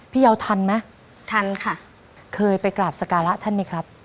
ยาวทันไหมทันค่ะเคยไปกราบสการะท่านไหมครับ